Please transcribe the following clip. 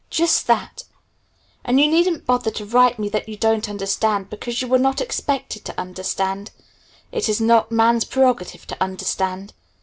Just that. "And you needn't bother to write me that you don't understand, because you are not expected to understand. It is not Man's prerogative to understand.